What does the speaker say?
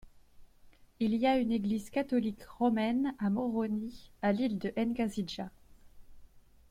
Il y a une église catholique romaine à Moroni, à l'ile de Ngazidja.